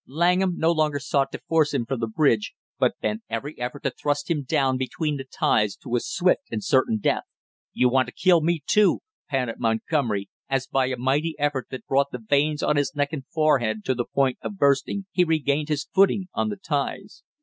Langham no longer sought to force him from the bridge, but bent every effort to thrust him down between the ties to a swift and certain death. "You want to kill me, too!" panted Montgomery, as by a mighty effort that brought the veins on neck and forehead to the point of bursting, he regained his footing on the ties.